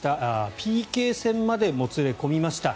ＰＫ戦までもつれ込みました。